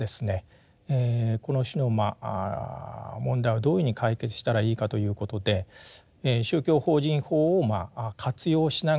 この種のまあ問題をどういうふうに解決したらいいかということで宗教法人法を活用しながらですね